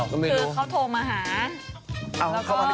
ก็เค้าโทรมาอ่า